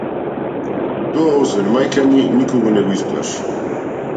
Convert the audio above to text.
Тоа освен мајка ми никого не исплаши.